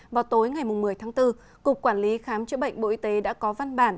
vào tối ngày một mươi tháng bốn cục quản lý khám chữa bệnh bộ y tế đã có văn bản